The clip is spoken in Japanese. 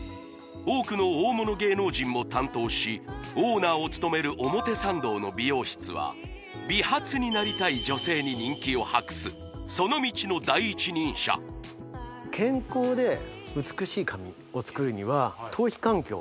多くの大物芸能人も担当しオーナーを務める表参道の美容室は美髪になりたい女性に人気を博すその道の第一人者あっそうなんっすね